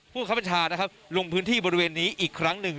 ผู้ขับเถิดชานะครับลงพื้นที่บนบนบนอีกครั้งหนึ่ง